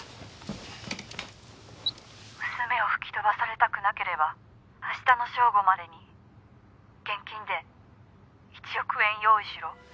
「娘を吹き飛ばされたくなければ明日の正午までに現金で１億円用意しろ」